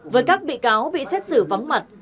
với các bị cáo bị xét xử vắng mặt